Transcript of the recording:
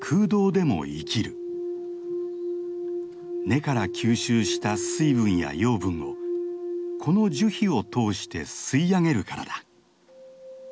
根から吸収した水分や養分をこの樹皮を通して吸い上げるからだ。